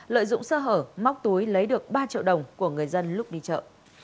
lợi dụng sơ hở móc túi lấy được ba triệu đồng của người dân lúc đi chợ